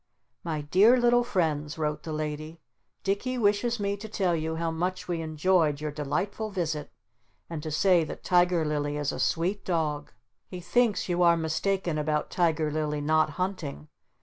"My dear little friends," wrote the Lady, "Dicky wishes me to tell you how much we enjoyed your delightful visit, and to say that Tiger Lily is a sweet dog. He thinks you are mistaken about Tiger Lily not hunting.